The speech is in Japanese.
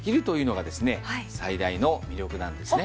最大の魅力なんですね。